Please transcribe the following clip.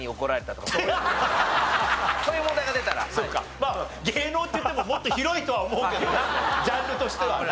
まあ芸能といってももっと広いとは思うけどなジャンルとしてはな。